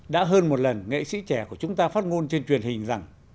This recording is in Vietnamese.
đã hơn một lần nghệ sĩ trẻ của chúng ta phát ngôn trên truyền hình rằng